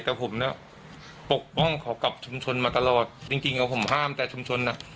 แต่ผมเนี่ยปกป้องเขากับชุมชนมาตลอดจริงจริงผมห้ามแต่ชุมชนอ่ะ